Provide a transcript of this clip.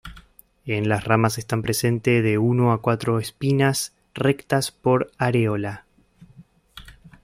En las ramas están presentes de uno a cuatro espinas rectas por areola.